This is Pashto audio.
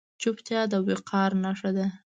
چوپتیا، د وقار نښه ده.